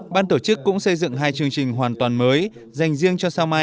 ban tổ chức cũng xây dựng hai chương trình hoàn toàn mới dành riêng cho sao mai hai nghìn một mươi chín